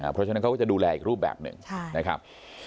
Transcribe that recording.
เพราะฉะนั้นเขาก็จะดูแลอีกรูปแบบหนึ่งนะครับ